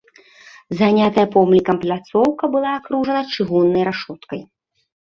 Занятая помнікам пляцоўка была акружана чыгуннай рашоткай.